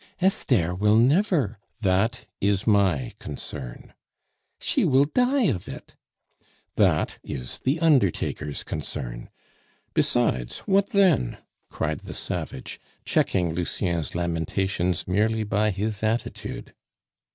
"Esther will never " "That is my concern." "She will die of it." "That is the undertaker's concern. Besides, what then?" cried the savage, checking Lucien's lamentations merely by his attitude.